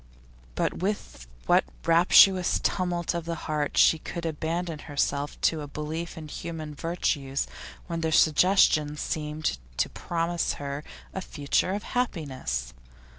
But with what rapturous tumult of the heart she could abandon herself to a belief in human virtues when their suggestion seemed to promise her a future of happiness!